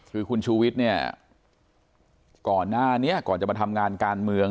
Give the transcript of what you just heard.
คือคุณชูวิทย์เนี่ยก่อนหน้านี้ก่อนจะมาทำงานการเมือง